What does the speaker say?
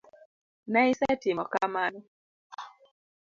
Ne isetimo kamano.